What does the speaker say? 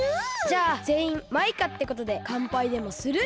じゃあぜんいんマイカってことでかんぱいでもする？